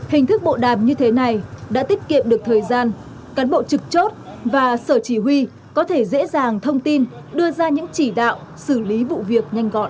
hình thức bộ đàm như thế này đã tiết kiệm được thời gian cán bộ trực chốt và sở chỉ huy có thể dễ dàng thông tin đưa ra những chỉ đạo xử lý vụ việc nhanh gọn